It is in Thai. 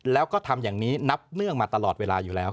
แล้วก็ทำอย่างนี้นับเนื่องมาตลอดเวลาอยู่แล้ว